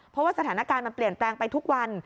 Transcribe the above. เพราะว่าสถานการณ์มันเปลี่ยนแปลงไปทุกวัน